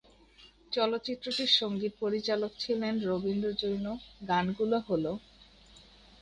চলচ্চিত্রটির সঙ্গীত পরিচালক ছিলেন রবীন্দ্র জৈন, গানগুলো হলোঃ